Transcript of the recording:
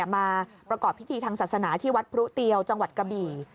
มาประกอบพิธีทางศาสนาที่วัดพรุเตียวจังหวัดกะบี่